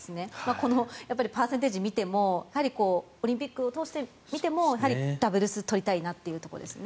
このパーセンテージを見てもオリンピックを通して見てもダブルスを取りたいなというところですね。